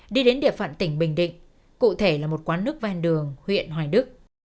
đi đến địa phận tỉnh bình định cụ thể là một quán nước ven đường huyện hoài đức